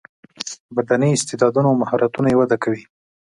بدني استعداونه او مهارتونه یې وده کوي.